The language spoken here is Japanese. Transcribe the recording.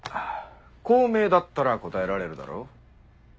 孔明だったら答えられるだろ。